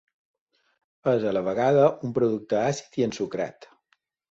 És a la vegada un producte àcid i ensucrat.